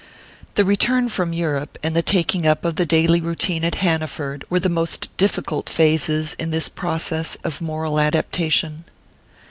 The return from Europe, and the taking up of the daily routine at Hanaford, were the most difficult phases in this process of moral adaptation.